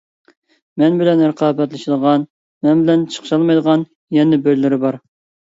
مەن بىلەن رىقابەتلىشىدىغان، مەن بىلەن چىقىشالمايدىغان يەنە بىرلىرى بار.